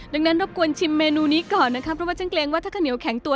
ดังนั้นรบกวนชิมเมนูนี้ก่อนนะคะเพราะว่าฉันเกรงว่าถ้าข้าวเหนียวแข็งตัว